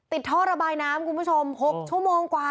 ท่อระบายน้ำคุณผู้ชม๖ชั่วโมงกว่า